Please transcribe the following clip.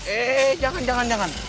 eh jangan jangan jangan